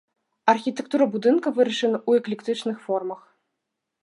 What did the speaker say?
Архітэктура будынка вырашана ў эклектычных формах.